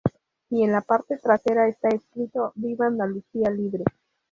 Y en la parte trasera está escrito: "Viva Andalucía libre".